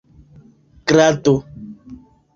grado